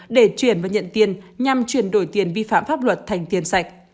để chuyển và nhận tiền nhằm chuyển đổi tiền vi phạm pháp luật thành tiền sạch